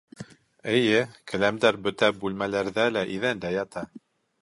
Эйе, келәмдәр бөтә бүлмәләрҙә лә иҙәндә ята